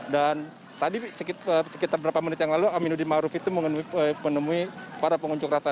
dan tadi sekitar beberapa menit yang lalu aminuddin ma'ruf itu menemui para pengunjuk rasa